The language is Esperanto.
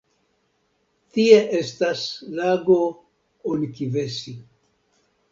Tie estas lago Onkivesi.